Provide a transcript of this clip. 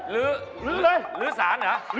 ลื้อเหรือสารเหรอ